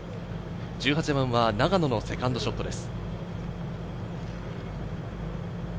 １８番は永野のセカンドショットです。